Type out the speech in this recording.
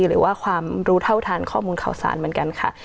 หรือว่าความรู้เท่าทานข้อมูลข่าวสารเหมือนกันค่ะ